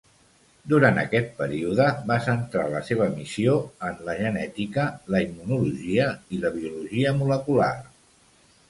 Durant aquest període, va centrar la seva missió en la genètica, la immunologia i la biologia molecular.